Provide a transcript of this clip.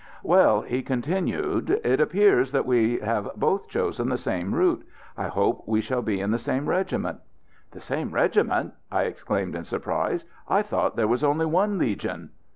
"Well," he continued, "it appears that we have both chosen the same route. I hope we shall be in the same regiment." "The same regiment!" I exclaimed in surprise, "I thought there was only one Legion."